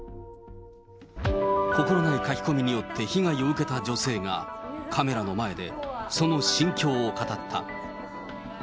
心ない書き込みによって被害を受けた女性が、カメラの前でその心境を語った。